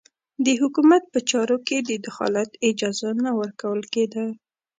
د حکومت په چارو کې د دخالت اجازه نه ورکول کېده.